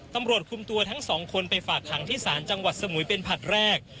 ตำรวจคุมตัวทั้งสองคนไปฝากขังที่ศาลจังหวัดสมุยเป็นผลัดแรก